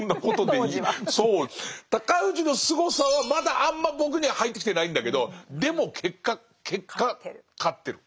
尊氏のすごさはまだあんま僕には入ってきてないんだけどでも結果結果勝ってる。